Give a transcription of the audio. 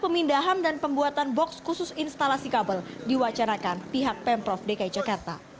pemindahan dan pembuatan box khusus instalasi kabel diwacanakan pihak pemprov dki jakarta